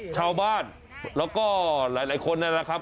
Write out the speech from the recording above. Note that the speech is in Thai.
ชาวบ้านแล้วก็หลายคนนั่นแหละครับ